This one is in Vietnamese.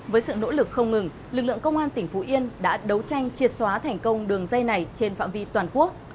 với sự nỗ lực không ngừng lực lượng công an tỉnh phú yên đã đấu tranh triệt xóa thành công đường dây này trên phạm vi toàn quốc